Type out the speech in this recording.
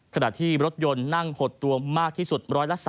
ขณะที่รถยนต์นั่งหดตัวมากที่สุด๑๓